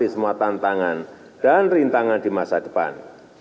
kita akan melewati semua tantangan dan rintangan di masa depan